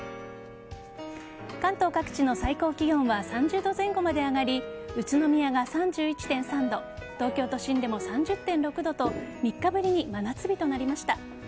関東各地の最高気温は３０度前後まで上がり宇都宮が３１．３度東京都心でも３０．６度と３日ぶりに真夏日となりました。